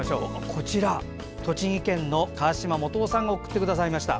こちら栃木県の川嶋基夫さんが送ってくださいました。